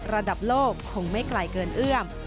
ระดับโลกคงไม่ไกลเกินเอื้อม